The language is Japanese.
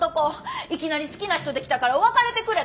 いきなり好きな人できたから別れてくれって！